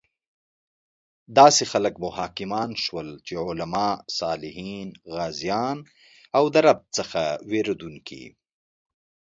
داسې خلک مو حاکمان شول چې علماء، صالحین، غازیان او د رب څخه ویریدونکي